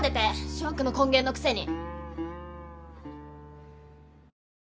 諸悪の根源のくせに！